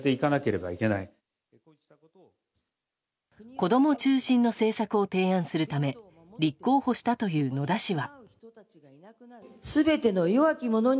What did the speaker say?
子供中心の政策を提案するため立候補したという野田氏は。